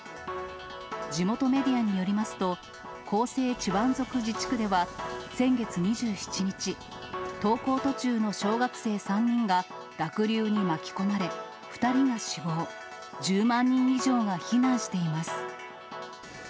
地元メディアによりますと、広西チワン族自治区では、先月２７日、登校途中の小学生３人が濁流に巻き込まれ、２人が死亡、１０万人以上が避難しています。